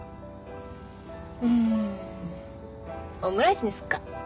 うんオムライスにすっか。